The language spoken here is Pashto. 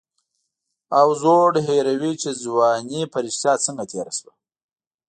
او زوړ هېروي چې ځواني په رښتیا څنګه تېره شوه.